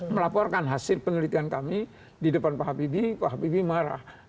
melaporkan hasil penelitian kami di depan pak habibie pak habibie marah